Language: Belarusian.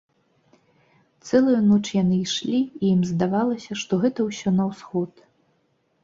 Цэлую ноч яны ішлі, і ім здавалася, што гэта ўсё на ўсход.